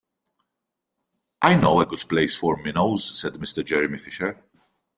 "I know a good place for minnows," said Mr Jeremy Fisher.